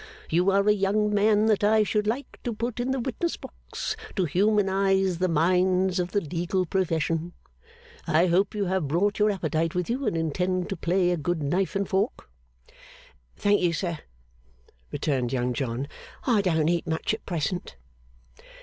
You are a young man that I should like to put in the witness box, to humanise the minds of the legal profession. I hope you have brought your appetite with you, and intend to play a good knife and fork?' 'Thank you, sir,' returned Young John, 'I don't eat much at present.